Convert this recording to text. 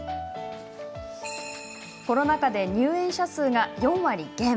コロナ禍で入園者数が４割減。